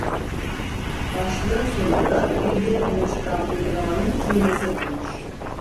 Başlığın solunda bildirimi oluşturan uygulamanın simgesi bulunur.